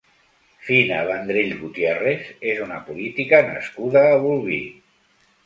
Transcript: Fina Vendrell Gutiérrez és una política nascuda a Bolvir.